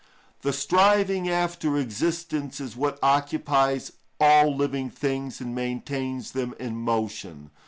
The striving after existence is what occupies all living things and maintains them in motion.